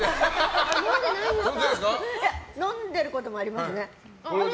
いや、飲んでることもありますね。